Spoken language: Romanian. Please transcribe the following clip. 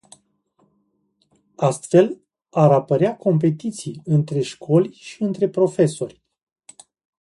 Astfel ar apărea competiții între școli și între profesori.